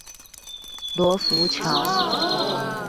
羅浮橋